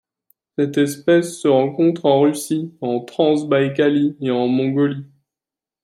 Cette espèce se rencontre en Russie en Transbaïkalie et en Mongolie.